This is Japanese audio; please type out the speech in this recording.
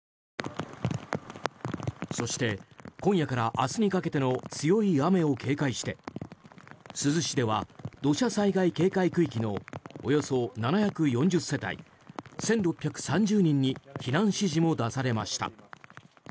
そして今夜から明日にかけての強い雨を警戒して珠洲市では土砂災害警戒区域のおよそ７４０世帯１６３０人に避難指示も出されました。